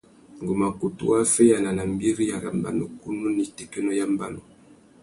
Ngu mà kutu waffeyāna nà mbîriya râ mbanukunú nà itékénô ya mbanu.